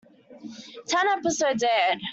Ten episodes aired.